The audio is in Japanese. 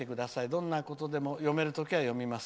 どんなことでも読める時は読みます。